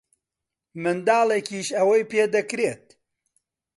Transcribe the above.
منداڵێکیش ئەوەی پێ دەکرێت.